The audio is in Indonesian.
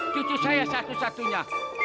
cucu saya satu satunya